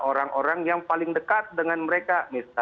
orang orang yang paling dekat dengan masyarakat yang diperhatikan